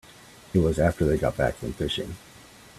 It was after they got back from fishing.